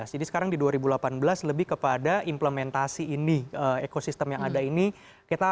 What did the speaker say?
jadi sekarang di dua ribu delapan belas lebih kepada implementasi ini ekosistem yang ada ini kita akan melihat banyak sekali perubahan